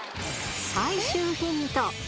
最終ヒント。